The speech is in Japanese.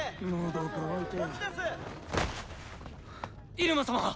入間様！